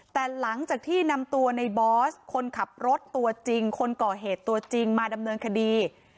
แต่หลังจากที่นำตัวในบอสคนขับรถตัวจริงคนก่อเหตุตัวจริงมาดำเนินคดี